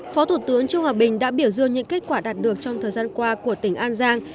phó thủ tướng trương hòa bình đã biểu dương những kết quả đạt được trong thời gian qua của tỉnh an giang